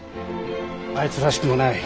あいつらしくもない。